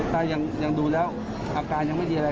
ถ้ายังดูแล้วอาการยังไม่ดีอะไร